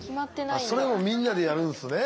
それもみんなでやるんすね。